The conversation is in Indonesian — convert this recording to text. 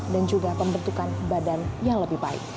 dan juga pembentukan badan yang lebih baik